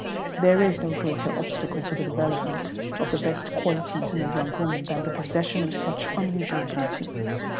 There is no greater obstacle to the development of the best qualities in a young woman than the possession of such unusual beauty.